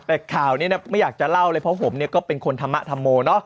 แต่ข่าวนี้ไม่อยากจะเล่าเลยเพราะผมเนี่ยก็เป็นคนธรรมธรรโมเนอะ